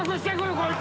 こいつ。